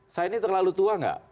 saya ini terlalu tua nggak